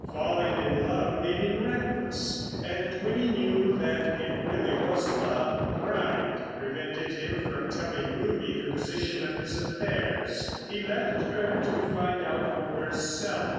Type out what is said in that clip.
Falling in love made him reckless; and when he knew that it really was love, pride prevented him from telling Ruby the position of his affairs. He left her to find out for herself.